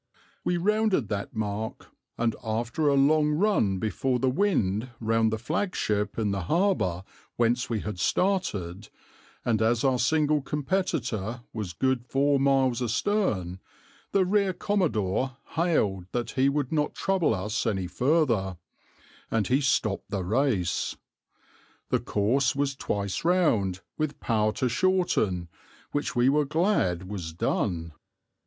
We rounded that mark, and after a long run before the wind round the flagship in the harbour whence we had started, and as our single competitor was good four miles astern, the Rear Commodore hailed that he would not trouble us any further, and he stopped the race; the course was twice round, with power to shorten, which we were glad was done.